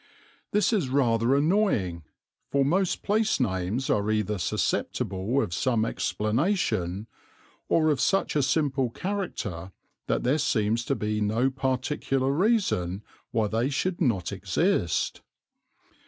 This is rather annoying, for most place names are either susceptible of some explanation or of such a simple character that there seems to be no particular reason why they should not exist.